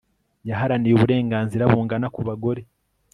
Yaharaniye uburenganzira bungana ku bagore